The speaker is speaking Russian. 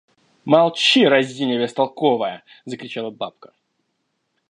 Молчи, разиня бестолковая! – закричала бабка.